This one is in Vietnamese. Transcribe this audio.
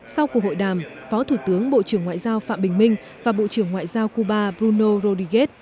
sau cuộc hội đàm phó thủ tướng bộ trưởng ngoại giao phạm bình minh và bộ trưởng ngoại giao cuba bruno rodriguez